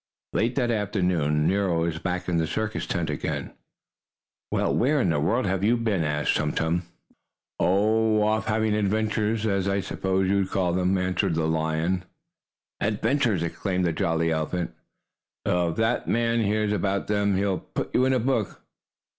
Late that afternoon Nero was back in the circus tent again. "Well, where in the world have you been?" asked Tum Tum. "Oh, off having adventures, as I suppose you'd call them," answered the lion. "Adventures!" exclaimed the jolly elephant. "Well, if that man hears about them he'll put you in a book."